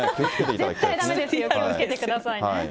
絶対だめですよ、気をつけてくださいね。